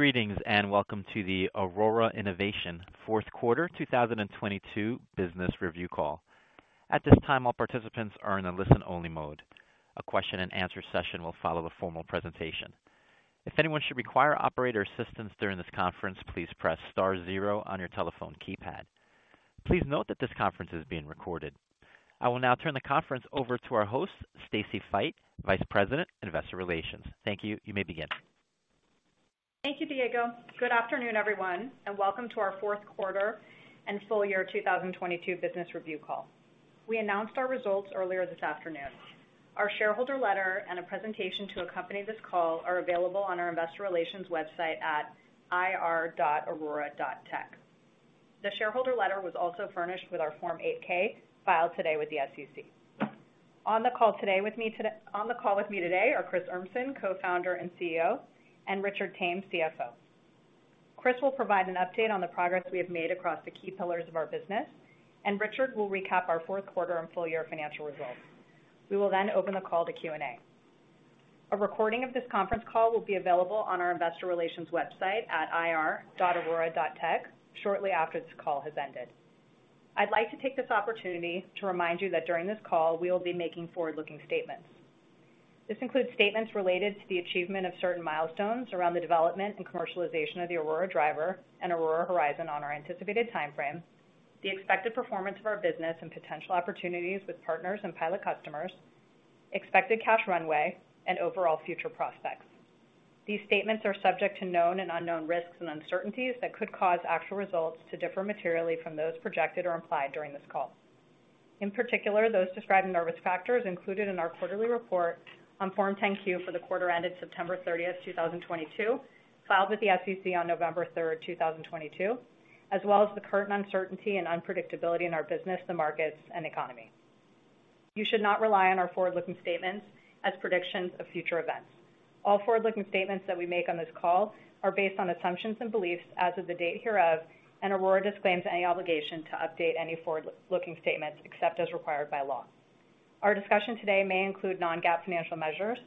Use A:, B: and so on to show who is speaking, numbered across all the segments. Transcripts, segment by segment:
A: Greetings, and welcome to the Aurora Innovation fourth quarter 2022 business review call. At this time, all participants are in a listen-only mode. A question and answer session will follow the formal presentation. If anyone should require operator assistance during this conference, please press star 0 on your telephonekeypad. Please note that this conference is being recorded. I will now turn the conference over to our host, Stacy Feit, Vice President, Investor Relations. Thank you. You may begin
B: Thank you, Diego. Good afternoon, everyone, and welcome to our fourth quarter and full year 2022 business review call. We announced our results earlier this afternoon. Our shareholder letter and a presentation to accompany this call are available on our investor relations website at ir.aurora.tech. The shareholder letter was also furnished with our Form 8-K filed today with the SEC. On the call with me today are Chris Urmson, Co-founder and CEO, and Richard Tame, CFO. Chris will provide an update on the progress we have made across the key pillars of our business, and Richard will recap our fourth quarter and full year financial results. We will open the call to Q&A. A recording of this conference call will be available on our investor relations website at ir.aurora.tech shortly after this call has ended. I'd like to take this opportunity to remind you that during this call we will be making forward-looking statements. This includes statements related to the achievement of certain milestones around the development and commercialization of the Aurora Driver and Aurora Horizon on our anticipated timeframe, the expected performance of our business and potential opportunities with partners and pilot customers, expected cash runway, and overall future prospects. These statements are subject to known and unknown risks and uncertainties that could cause actual results to differ materially from those projected or implied during this call. In particular, those described in our risk factors included in our quarterly report on Form 10-Q for the quarter ended September 30, 2022, filed with the SEC on November 3, 2022, as well as the current uncertainty and unpredictability in our business, the markets and economy. You should not rely on our forward-looking statements as predictions of future events. All forward-looking statements that we make on this call are based on assumptions and beliefs as of the date hereof, Aurora disclaims any obligation to update any forward-looking statements except as required by law. Our discussion today may include non-GAAP financial measures.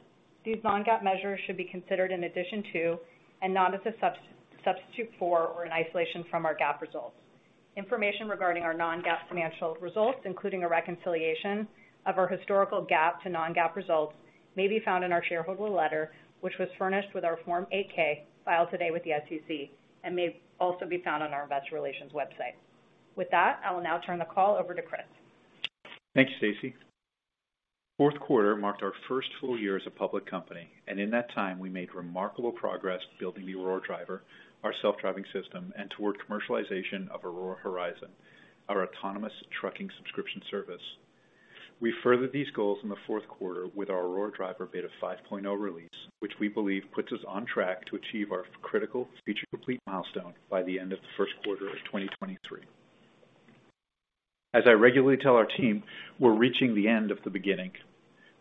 B: These non-GAAP measures should be considered in addition to and not as a substitute for or in isolation from our GAAP results. Information regarding our non-GAAP financial results, including a reconciliation of our historical GAAP to non-GAAP results, may be found in our shareholder letter, which was furnished with our Form 8-K filed today with the SEC and may also be found on our investor relations website. I will now turn the call over to Chris.
C: Thank you, Stacy. Fourth quarter marked our first full year as a public company. In that time we made remarkable progress building the Aurora Driver, our self-driving system, and toward commercialization of Aurora Horizon, our autonomous trucking subscription service. We furthered these goals in the fourth quarter with our Aurora Driver Beta 5.0 release, which we believe puts us on track to achieve our critical Feature Complete milestone by the end of the first quarter of 2023. As I regularly tell our team, we're reaching the end of the beginning.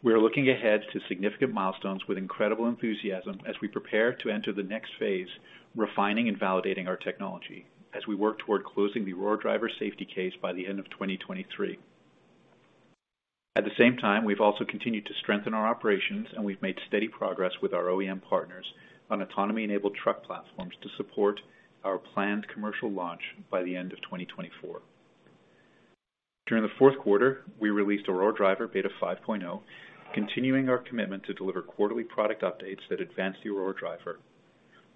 C: We are looking ahead to significant milestones with incredible enthusiasm as we prepare to enter the next phase, refining and validating our technology as we work toward closing the Aurora Driver Safety Case by the end of 2023. At the same time, we've also continued to strengthen our operations and we've made steady progress with our OEM partners on autonomy-enabled truck platforms to support our planned commercial launch by the end of 2024. During the fourth quarter, we released Aurora Driver Beta 5.0, continuing our commitment to deliver quarterly product updates that advance the Aurora Driver.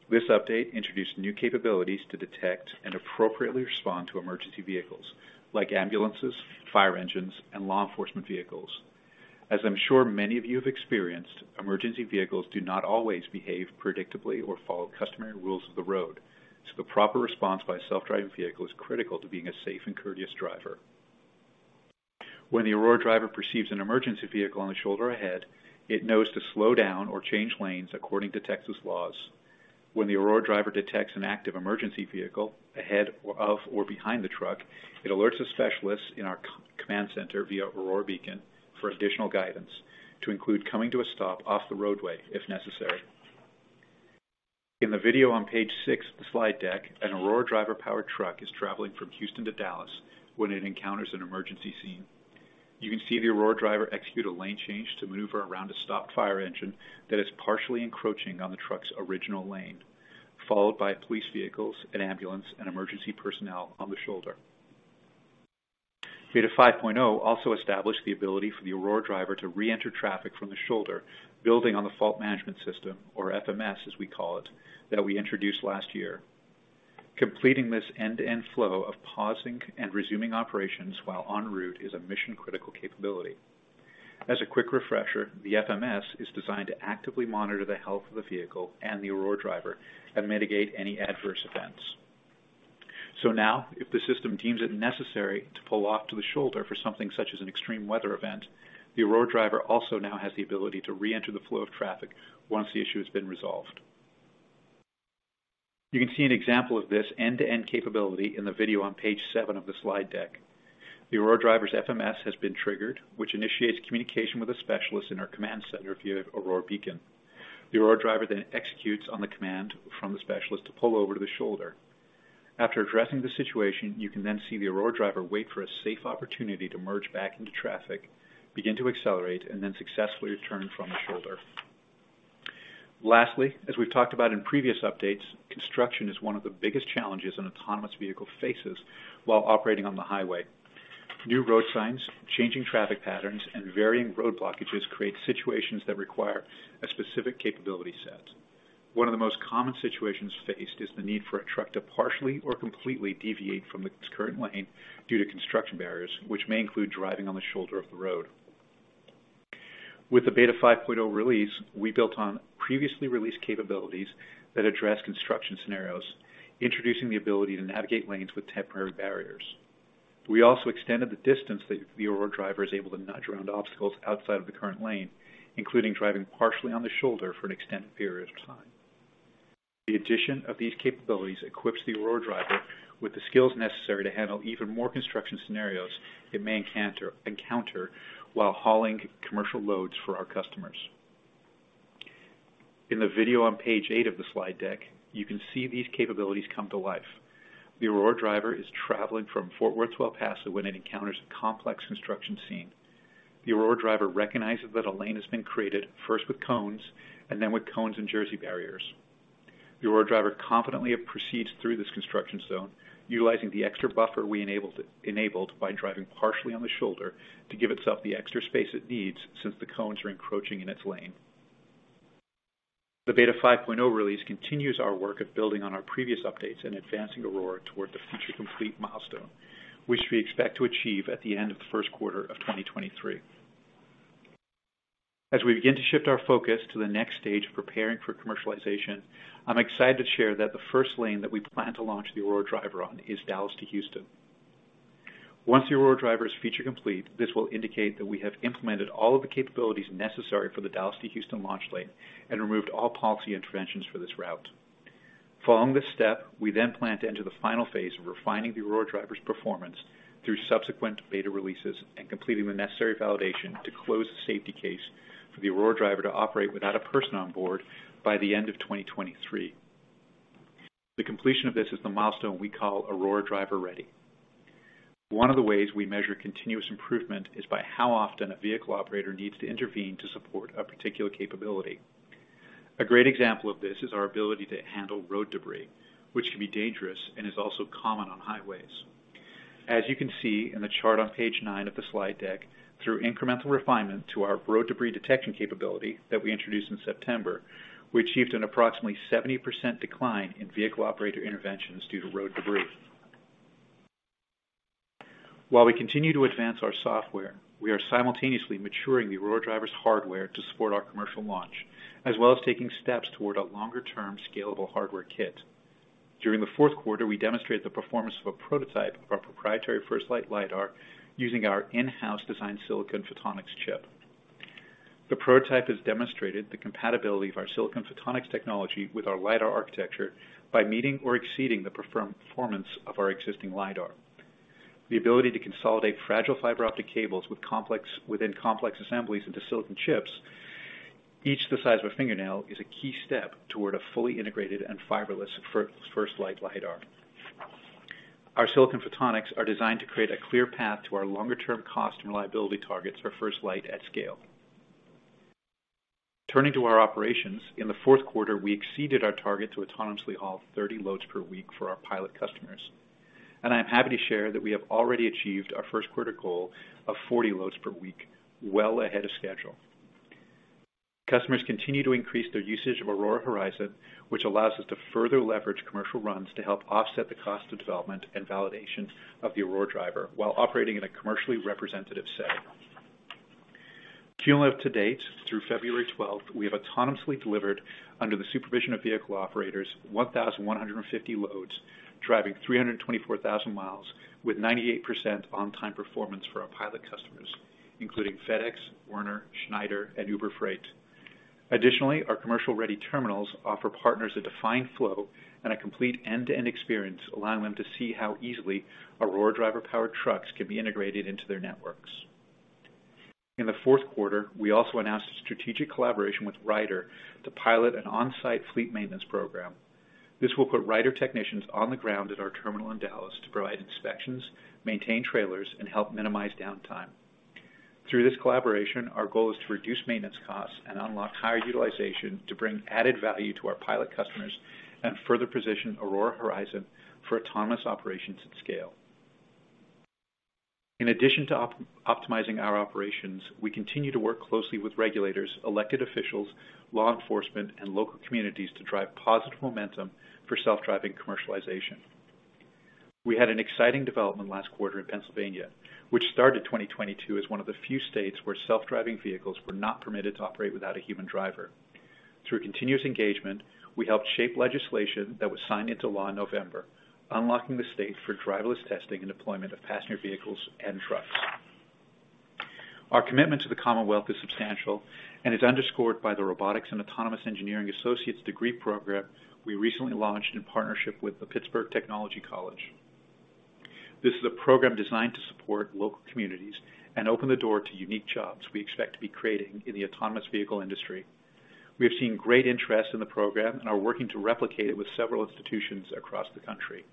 C: This update introduced new capabilities to detect and appropriately respond to emergency vehicles like ambulances, fire engines, and law enforcement vehicles. As I'm sure many of you have experienced, emergency vehicles do not always behave predictably or follow customary rules of the road, so the proper response by a self-driving vehicle is critical to being a safe and courteous driver. When the Aurora Driver perceives an emergency vehicle on the shoulder ahead, it knows to slow down or change lanes according to Texas laws. When the Aurora Driver detects an active emergency vehicle ahead of or behind the truck, it alerts a specialist in our co-Command Center via Aurora Beacon for additional guidance to include coming to a stop off the roadway if necessary. In the video on page six of the slide deck, an Aurora Driver-powered truck is traveling from Houston to Dallas when it encounters an emergency scene. You can see the Aurora Driver execute a lane change to maneuver around a stopped fire engine that is partially encroaching on the truck's original lane, followed by police vehicles and ambulance and emergency personnel on the shoulder. Beta 5.0 also established the ability for the Aurora Driver to reenter traffic from the shoulder, building on the Fault Management System, or FMS as we call it, that we introduced last year. Completing this end-to-end flow of pausing and resuming operations while en route is a mission-critical capability. As a quick refresher, the FMS is designed to actively monitor the health of the vehicle and the Aurora Driver and mitigate any adverse events. Now, if the system deems it necessary to pull off to the shoulder for something such as an extreme weather event, the Aurora Driver also now has the ability to reenter the flow of traffic once the issue has been resolved. You can see an example of this end-to-end capability in the video on page seven of the slide deck. The Aurora Driver's FMS has been triggered, which initiates communication with a specialist in our Command Center via Aurora Beacon. The Aurora Driver then executes on the command from the specialist to pull over to the shoulder. After addressing the situation, you can then see the Aurora Driver wait for a safe opportunity to merge back into traffic, begin to accelerate, and then successfully return from the shoulder. Lastly, as we've talked about in previous updates, construction is one of the biggest challenges an autonomous vehicle faces while operating on the highway. New road signs, changing traffic patterns, and varying road blockages create situations that require a specific capability set. One of the most common situations faced is the need for a truck to partially or completely deviate from its current lane due to construction barriers, which may include driving on the shoulder of the road. With the Beta 5.0 release, we built on previously released capabilities that address construction scenarios, introducing the ability to navigate lanes with temporary barriers. We also extended the distance that the Aurora Driver is able to nudge around obstacles outside of the current lane, including driving partially on the shoulder for an extended period of time. The addition of these capabilities equips the Aurora Driver with the skills necessary to handle even more construction scenarios it may encounter while hauling commercial loads for our customers. In the video on page eight of the slide deck, you can see these capabilities come to life. The Aurora Driver is traveling from Fort Worth to El Paso when it encounters a complex construction scene. The Aurora Driver recognizes that a lane has been created first with cones, and then with cones and Jersey barriers. The Aurora Driver confidently proceeds through this construction zone, utilizing the extra buffer we enabled by driving partially on the shoulder to give itself the extra space it needs, since the cones are encroaching in its lane. The Beta 5.0 release continues our work of building on our previous updates and advancing Aurora toward the Feature Complete milestone, which we expect to achieve at the end of the first quarter of 2023. As we begin to shift our focus to the next stage of preparing for commercialization, I'm excited to share that the first lane that we plan to launch the Aurora Driver on is Dallas to Houston. Once the Aurora Driver is Feature Complete, this will indicate that we have implemented all of the capabilities necessary for the Dallas to Houston launch lane and removed all policy interventions for this route. Following this step, we then plan to enter the final phase of refining the Aurora Driver's performance through subsequent beta releases and completing the necessary validation to close the Safety Case for the Aurora Driver to operate without a person on board by the end of 2023. The completion of this is the milestone we call Aurora Driver Ready. One of the ways we measure continuous improvement is by how often a vehicle operator needs to intervene to support a particular capability. A great example of this is our ability to handle road debris, which can be dangerous and is also common on highways. As you can see in the chart on page nine of the slide deck, through incremental refinement to our road debris detection capability that we introduced in September, we achieved an approximately 70% decline in vehicle operator interventions due to road debris. While we continue to advance our software, we are simultaneously maturing the Aurora Driver's hardware to support our commercial launch, as well as taking steps toward a longer term scalable hardware kit. During the fourth quarter, we demonstrated the performance of a prototype of our proprietary FirstLight Lidar using our in-house design silicon photonics chip. The prototype has demonstrated the compatibility of our silicon photonics technology with our lidar architecture by meeting or exceeding the performance of our existing lidar. The ability to consolidate fragile fiber optic cables within complex assemblies into silicon chips, each the size of a fingernail, is a key step toward a fully integrated and fiberless FirstLight Lidar. Our silicon photonics are designed to create a clear path to our longer term cost and reliability targets for FirstLight at scale. Turning to our operations. In the fourth quarter, we exceeded our target to autonomously haul 30 loads per week for our pilot customers. I am happy to share that we have already achieved our first quarter goal of 40 loads per week, well ahead of schedule. Customers continue to increase their usage of Aurora Horizon, which allows us to further leverage commercial runs to help offset the cost of development and validation of the Aurora Driver while operating in a commercially representative setting. Cumulative to date through February 12th, we have autonomously delivered under the supervision of vehicle operators, 1,150 loads, driving 324,000 miles with 98% on-time performance for our pilot customers, including FedEx, Werner, Schneider, and Uber Freight. Additionally, our commercial-ready terminals offer partners a defined flow and a complete end-to-end experience, allowing them to see how easily Aurora Driver-powered trucks can be integrated into their networks. In the fourth quarter, we also announced a strategic collaboration with Ryder to pilot an on-site fleet maintenance program. This will put Ryder technicians on the ground at our terminal in Dallas to provide inspections, maintain trailers, and help minimize downtime. Through this collaboration, our goal is to reduce maintenance costs and unlock higher utilization to bring added value to our pilot customers and further position Aurora Horizon for autonomous operations at scale. In addition to optimizing our operations, we continue to work closely with regulators, elected officials, law enforcement, and local communities to drive positive momentum for self-driving commercialization. We had an exciting development last quarter in Pennsylvania, which started 2022 as one of the few states where self-driving vehicles were not permitted to operate without a human driver. Through continuous engagement, we helped shape legislation that was signed into law in November, unlocking the state for driverless testing and deployment of passenger vehicles and trucks. Our commitment to the Commonwealth is substantial and is underscored by the Robotics and Autonomous Engineering Associate degree program we recently launched in partnership with the Pittsburgh Technical College. This is a program designed to support local communities and open the door to unique jobs we expect to be creating in the autonomous vehicle industry. We have seen great interest in the program and are working to replicate it with several institutions across the country.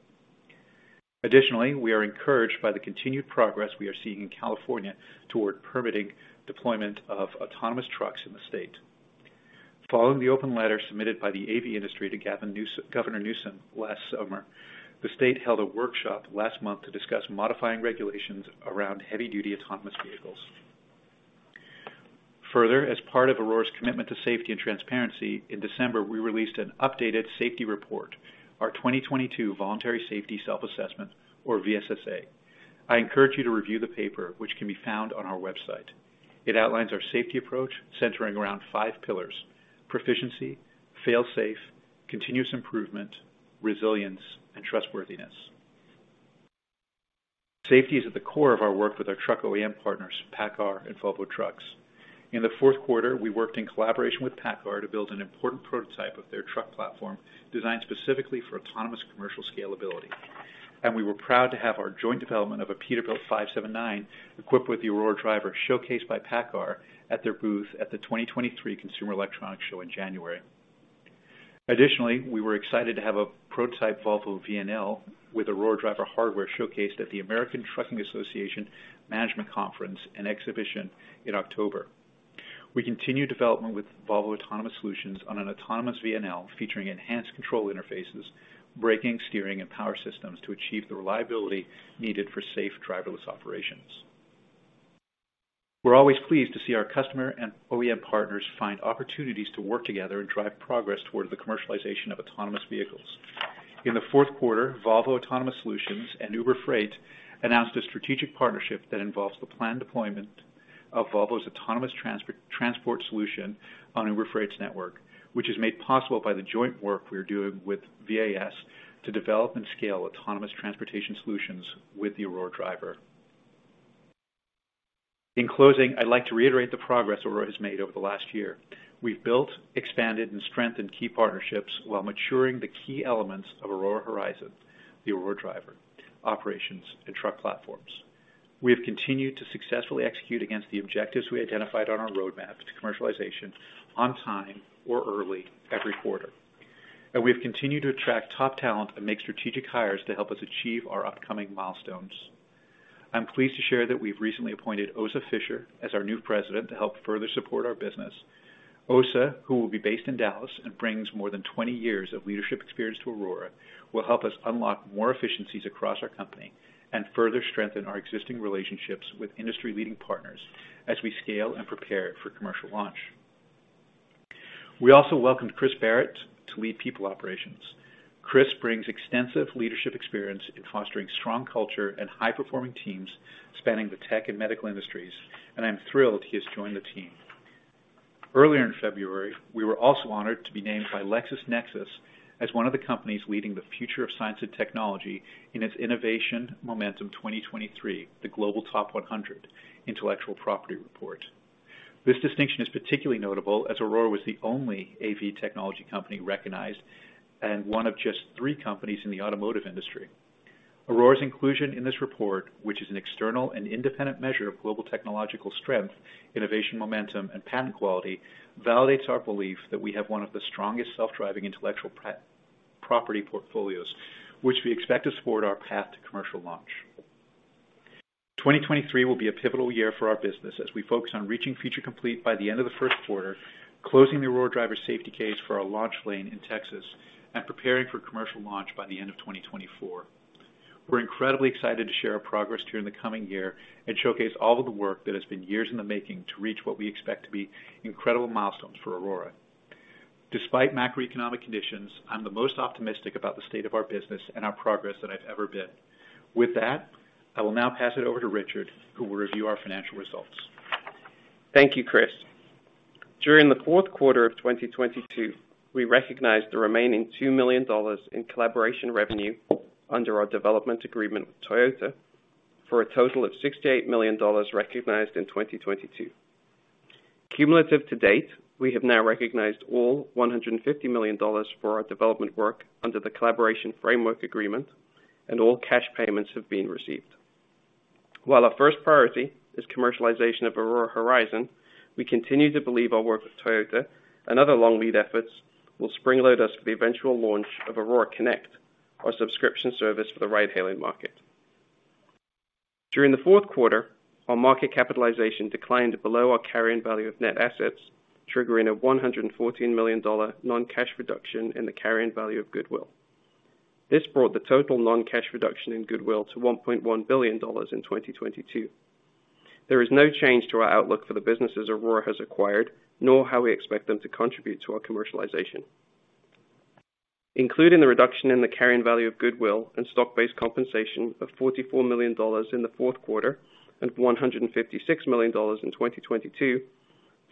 C: We are encouraged by the continued progress we are seeing in California toward permitting deployment of autonomous trucks in the state. Following the open letter submitted by the AV industry to Governor Newsom last summer, the state held a workshop last month to discuss modifying regulations around heavy duty autonomous vehicles. As part of Aurora's commitment to safety and transparency, in December, we released an updated safety report, our 2022 Voluntary Safety Self-Assessment, or VSSA. I encourage you to review the paper, which can be found on our website. It outlines our safety approach centering around five pillars: proficiency, fail-safe, continuous improvement, resilience, and trustworthiness. Safety is at the core of our work with our truck OEM partners, PACCAR and Volvo Trucks. In the fourth quarter, we worked in collaboration with PACCAR to build an important prototype of their truck platform designed specifically for autonomous commercial scalability. We were proud to have our joint development of a Peterbilt 579 equipped with the Aurora Driver showcased by PACCAR at their booth at the 2023 Consumer Electronics Show in January. Additionally, we were excited to have a prototype Volvo VNL with Aurora Driver hardware showcased at the American Trucking Association Management Conference and Exhibition in October. We continue development with Volvo Autonomous Solutions on an autonomous VNL featuring enhanced control interfaces, braking, steering, and power systems to achieve the reliability needed for safe driverless operations. We're always pleased to see our customer and OEM partners find opportunities to work together and drive progress toward the commercialization of autonomous vehicles. In the fourth quarter, Volvo Autonomous Solutions and Uber Freight announced a strategic partnership that involves the planned deployment of Volvo's autonomous transport solution on Uber Freight's network, which is made possible by the joint work we are doing with VAS to develop and scale autonomous transportation solutions with the Aurora Driver. In closing, I'd like to reiterate the progress Aurora has made over the last year. We've built, expanded, and strengthened key partnerships while maturing the key elements of Aurora Horizon, the Aurora Driver, operations, and truck platforms. We have continued to successfully execute against the objectives we identified on our roadmap to commercialization on time or early every quarter. We have continued to attract top talent and make strategic hires to help us achieve our upcoming milestones. I'm pleased to share that we've recently appointed Ossa Fisher as our new president to help further support our business. Ossa, who will be based in Dallas and brings more than 20 years of leadership experience to Aurora, will help us unlock more efficiencies across our company and further strengthen our existing relationships with industry-leading partners as we scale and prepare for commercial launch. We also welcomed Chris Barrett to lead people operations. Chris brings extensive leadership experience in fostering strong culture and high-performing teams spanning the tech and medical industries, and I'm thrilled he has joined the team. Earlier in February, we were also honored to be named by LexisNexis as one of the companies leading the future of science and technology in its Innovation Momentum 2023: The Global Top 100. This distinction is particularly notable as Aurora was the only AV technology company recognized and one of just three companies in the automotive industry. Aurora's inclusion in this report, which is an external and independent measure of global technological strength, innovation momentum, and patent quality, validates our belief that we have one of the strongest self-driving intellectual property portfolios, which we expect to support our path to commercial launch. 2023 will be a pivotal year for our business as we focus on reaching Feature Complete by the end of the first quarter, closing the Aurora Driver Safety Case for our launch lane in Texas, and preparing for commercial launch by the end of 2024. We're incredibly excited to share our progress during the coming year and showcase all of the work that has been years in the making to reach what we expect to be incredible milestones for Aurora. Despite macroeconomic conditions, I'm the most optimistic about the state of our business and our progress than I've ever been. With that, I will now pass it over to Richard, who will review our financial results.
D: Thank you, Chris. During the fourth quarter of 2022, we recognized the remaining $2 million in collaboration revenue under our development agreement with Toyota for a total of $68 million recognized in 2022. Cumulative to date, we have now recognized all $150 million for our development work under the collaboration framework agreement, all cash payments have been received. While our first priority is commercialization of Aurora Horizon, we continue to believe our work with Toyota and other long lead efforts will springload us for the eventual launch of Aurora Connect, our subscription service for the ride-hailing market. During the fourth quarter, our market capitalization declined below our carrying value of net assets, triggering a $114 million non-cash reduction in the carrying value of goodwill. This brought the total non-cash reduction in goodwill to $1.1 billion in 2022. There is no change to our outlook for the businesses Aurora has acquired, nor how we expect them to contribute to our commercialization. Including the reduction in the carrying value of goodwill and stock-based compensation of $44 million in the fourth quarter and $156 million in 2022,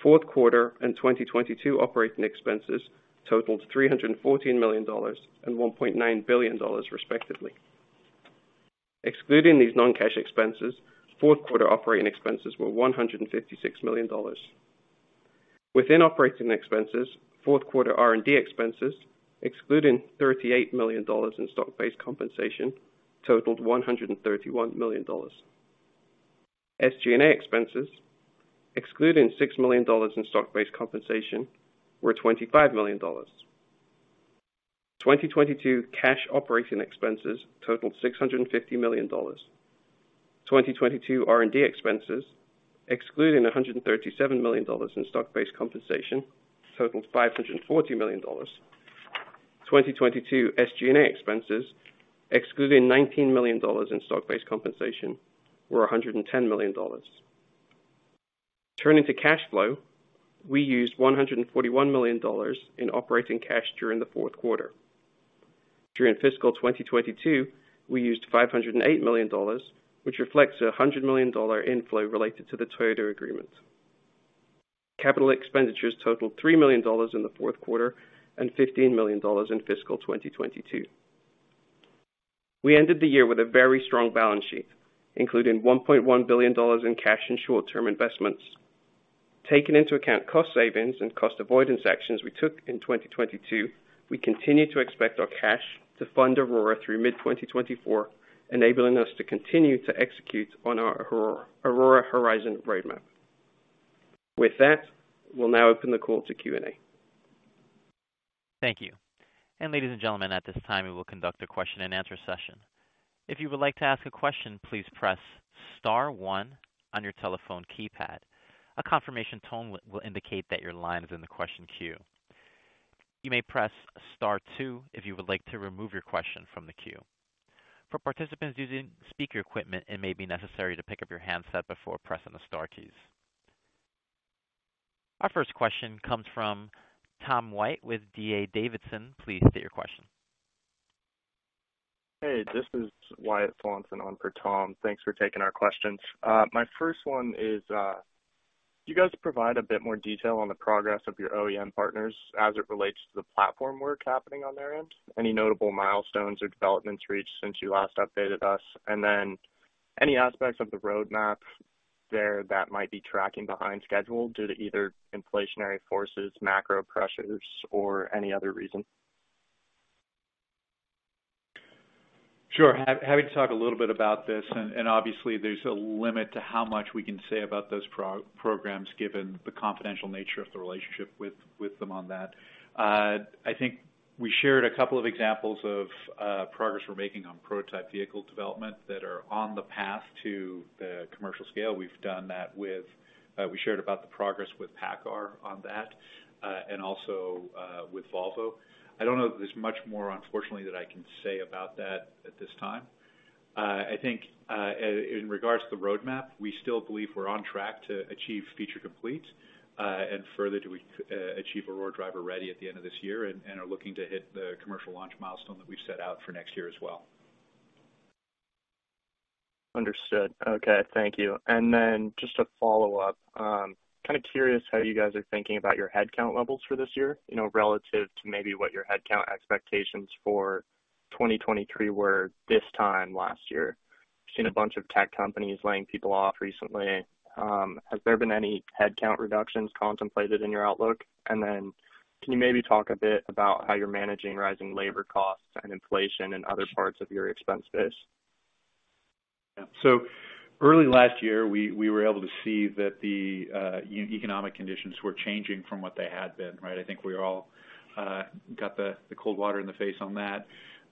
D: fourth quarter and 2022 operating expenses totaled $314 million and $1.9 billion, respectively. Excluding these non-cash expenses, fourth quarter operating expenses were $156 million. Within operating expenses, fourth quarter R&D expenses, excluding $38 million in stock-based compensation, totaled $131 million. SG&A expenses, excluding $6 million in stock-based compensation, were $25 million. 2022 cash operating expenses totaled $650 million. 2022 R&D expenses, excluding $137 million in stock-based compensation, totaled $540 million. 2022 SG&A expenses, excluding $19 million in stock-based compensation, were $110 million. Turning to cash flow, we used $141 million in operating cash during the fourth quarter. During fiscal 2022, we used $508 million, which reflects a $100 million inflow related to the Toyota agreement. Capital expenditures totaled $3 million in the fourth quarter and $15 million in fiscal 2022. We ended the year with a very strong balance sheet, including $1.1 billion in cash and short-term investments. Taking into account cost savings and cost avoidance actions we took in 2022, we continue to expect our cash to fund Aurora through mid-2024, enabling us to continue to execute on our Aurora Horizon roadmap. With that, we'll now open the call to Q&A.
A: Thank you. Ladies and gentlemen, at this time, we will conduct a question-and-answer session. If you would like to ask a question, please press star one on your telephone keypad. A confirmation tone will indicate that your line is in the question queue. You may press star two if you would like to remove your question from the queue. For participants using speaker equipment, it may be necessary to pick up your handset before pressing the star keys. Our first question comes from Tom White with D.A. Davidson. Please state your question.
E: Hey, this is Wyatt Swanson on for Tom. Thanks for taking our questions. My first one is, can you guys provide a bit more detail on the progress of your OEM partners as it relates to the platform work happening on their end? Any notable milestones or developments reached since you last updated us? Any aspects of the roadmap there that might be tracking behind schedule due to either inflationary forces, macro pressures, or any other reason?
C: Sure. Happy to talk a little bit about this, and obviously there's a limit to how much we can say about those programs, given the confidential nature of the relationship with them on that. I think we shared a couple of examples of progress we're making on prototype vehicle development that are on the path to the commercial scale. We shared about the progress with PACCAR on that, and also with Volvo. I don't know that there's much more, unfortunately, that I can say about that at this time. I think, in regards to the roadmap, we still believe we're on track to achieve Feature Complete, and further do we achieve Aurora Driver Ready at the end of this year and are looking to hit the commercial launch milestone that we've set out for next year as well.
E: Understood. Okay, thank you. Just to follow up, kind of curious how you guys are thinking about your headcount levels for this year, you know, relative to maybe what your headcount expectations for 2023 were this time last year. Seen a bunch of tech companies laying people off recently. Has there been any headcount reductions contemplated in your outlook? Can you maybe talk a bit about how you're managing rising labor costs and inflation in other parts of your expense base?
C: Early last year, we were able to see that the economic conditions were changing from what they had been, right? I think we all got the cold water in the face on that.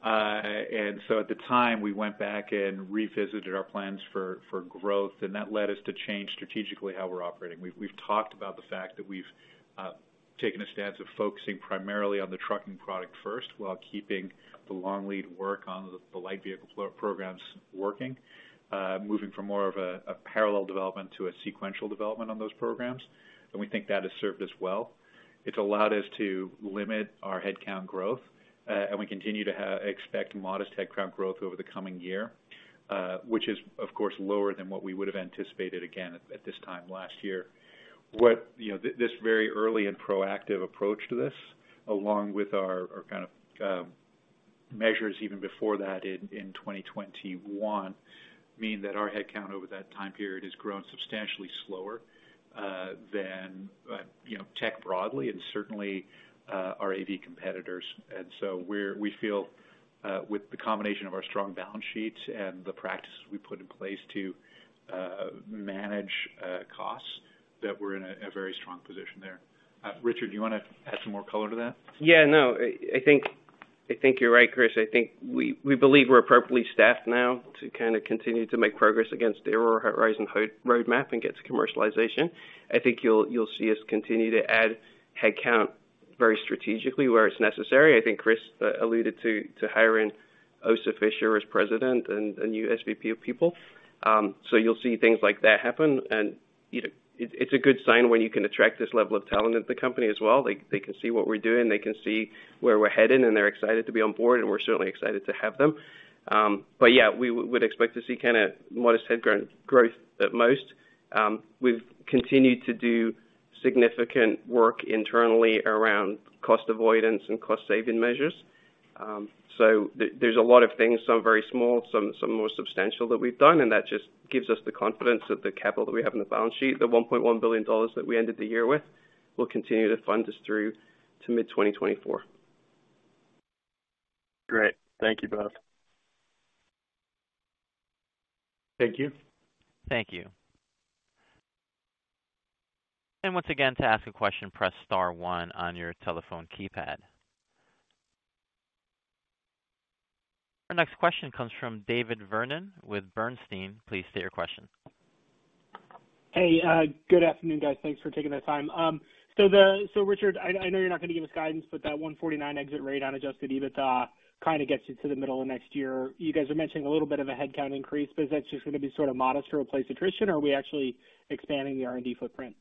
C: At the time, we went back and revisited our plans for growth, and that led us to change strategically how we're operating. We've talked about the fact that we've taken a stance of focusing primarily on the trucking product first, while keeping the long lead work on the light vehicle programs working, moving from more of a parallel development to a sequential development on those programs. We think that has served us well. It's allowed us to limit our headcount growth, and we continue to expect modest headcount growth over the coming year, which is, of course, lower than what we would've anticipated, again, at this time last year. You know, this very early and proactive approach to this, along with our kind of measures even before that in 2021, mean that our headcount over that time period has grown substantially slower than you know, tech broadly and certainly our AV competitors. We feel with the combination of our strong balance sheets and the practices we put in place to manage costs, that we're in a very strong position there. Richard, do you wanna add some more color to that?
D: I think you're right, Chris. I think we believe we're appropriately staffed now to kinda continue to make progress against the Aurora Horizon roadmap and get to commercialization. I think you'll see us continue to add headcount very strategically where it's necessary. I think Chris alluded to hiring Ossa Fisher as president and new SVP of people. You'll see things like that happen. You know, it's a good sign when you can attract this level of talent at the company as well. They can see what we're doing, they can see where we're headed, and they're excited to be on board, and we're certainly excited to have them. We would expect to see kinda modest growth at most. We've continued to do significant work internally around cost avoidance and cost saving measures. There's a lot of things, some very small, some more substantial that we've done, and that just gives us the confidence that the capital that we have on the balance sheet, the $1.1 billion that we ended the year with, will continue to fund us through to mid-2024.
A: Great. Thank you both.
D: Thank you.
A: Thank you. Once again, to ask a question, press star one on your telephone keypad. Our next question comes from David Vernon with Bernstein. Please state your question.
F: Hey, good afternoon, guys. Thanks for taking the time. Richard, I know you're not gonna give us guidance, but that $149 exit rate on Adjusted EBITDA kinda gets you to the middle of 2024. You guys are mentioning a little bit of a headcount increase, but is that just gonna be sort of modest to replace attrition, or are we actually expanding the R&D footprint,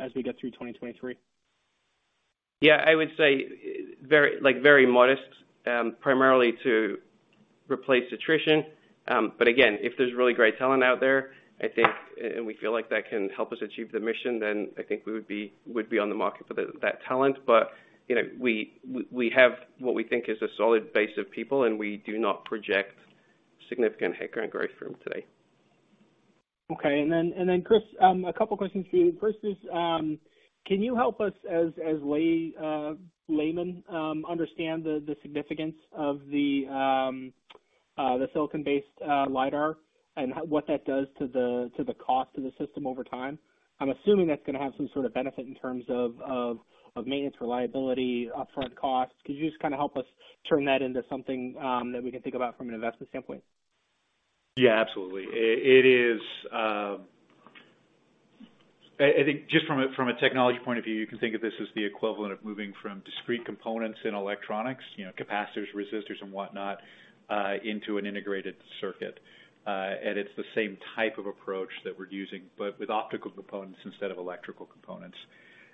F: as we get through 2023?
D: Yeah, I would say very, like, very modest, primarily to replace attrition. Again, if there's really great talent out there, I think, and we feel like that can help us achieve the mission, then I think we would be on the market for that talent. You know, we have what we think is a solid base of people, and we do not project significant headcount growth for them today.
F: Okay. Chris, a couple questions for you. First is, can you help us as laymen understand the significance of the silicon-based lidar and what that does to the cost of the system over time? I'm assuming that's gonna have some sort of benefit in terms of maintenance, reliability, upfront costs. Could you just kinda help us turn that into something that we can think about from an investment standpoint?
C: Yeah, absolutely. It is, I think just from a technology point of view, you can think of this as the equivalent of moving from discrete components in electronics, you know, capacitors, resistors and whatnot, into an integrated circuit. It's the same type of approach that we're using, but with optical components instead of electrical components.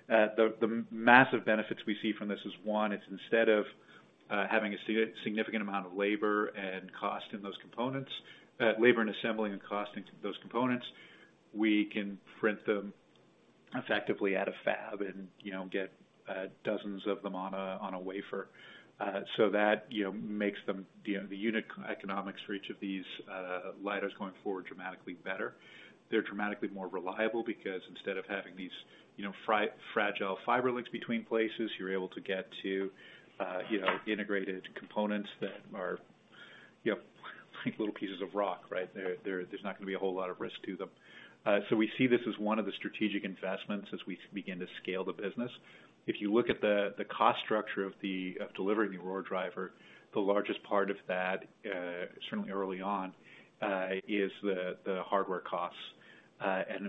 C: The massive benefits we see from this is, one, it's instead of having a significant amount of labor and cost in those components, labor and assembling and costing those components, we can print them effectively at a fab and, you know, get dozens of them on a wafer. That, you know, makes them, you know, the unit economics for each of these lidars going forward dramatically better. They're dramatically more reliable because instead of having these, you know, fragile fiber links between places, you're able to get to, you know, integrated components that are, you know, like little pieces of rock, right? There's not gonna be a whole lot of risk to them. We see this as one of the strategic investments as we begin to scale the business. If you look at the cost structure of the, of delivering the Aurora Driver, the largest part of that, certainly early on, is the hardware costs.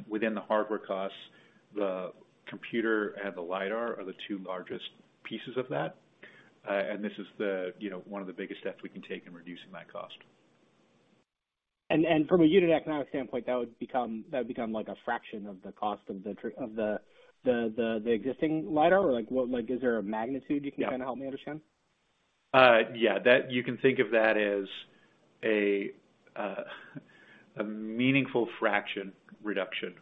C: Within the hardware costs, the computer and the lidar are the two largest pieces of that. This is the, you know, one of the biggest steps we can take in reducing that cost.
F: and from a unit economic standpoint, that would become like a fraction of the cost of the existing lidar? Like, is there a magnitude you can-
C: Yeah.
F: kinda help me understand?
C: Yeah. That, you can think of that as a meaningful fraction reduction.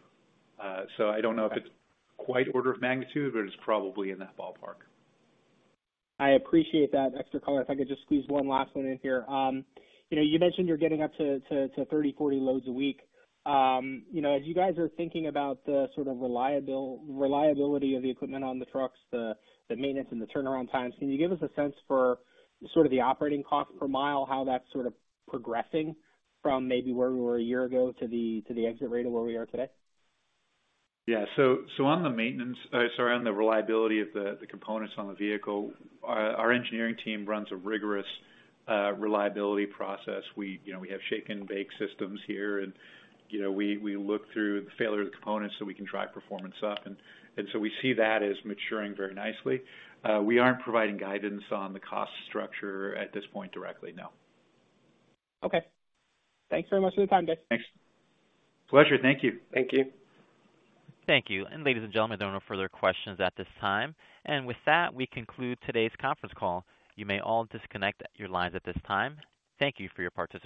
C: I don't know if it's quite order of magnitude, but it's probably in that ballpark.
F: I appreciate that extra color. If I could just squeeze one last one in here. You know, you mentioned you're getting up to 30, 40 loads a week. You know, as you guys are thinking about the sort of reliability of the equipment on the trucks, the maintenance and the turnaround times, can you give us a sense for sort of the operating cost per mile, how that's sort of progressing from maybe where we were a year ago to the exit rate of where we are today?
C: Yeah. So, sorry, on the reliability of the components on the vehicle, our engineering team runs a rigorous reliability process. We, you know, we have shake and bake systems here and, you know, we look through the failure of the components so we can drive performance up. We see that as maturing very nicely. We aren't providing guidance on the cost structure at this point directly, no.
F: Okay. Thanks very much for the time, Dave.
C: Thanks.
D: Pleasure. Thank you.
A: Thank you. Ladies and gentlemen, there are no further questions at this time. With that, we conclude today's conference call. You may all disconnect your lines at this time. Thank you for your participation.